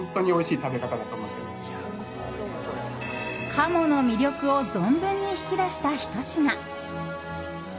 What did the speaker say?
鴨の魅力を存分に引き出したひと品。